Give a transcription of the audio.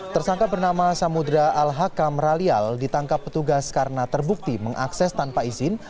tersangka bernama samudera al hakam ralial ditangkap petugas karena terbukti mengakses tanpa izin